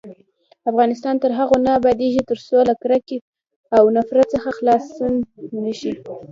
افغانستان تر هغو نه ابادیږي، ترڅو له کرکې او نفرت څخه خلاص نشو.